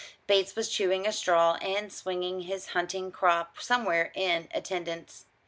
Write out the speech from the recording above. Bates was chewing a straw and swinging his hunting crop somewhere in attendance.